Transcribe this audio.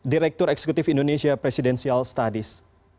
direktur eksekutif indonesia presidential studies